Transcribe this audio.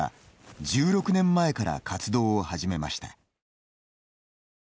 １６年前から活動を始めました。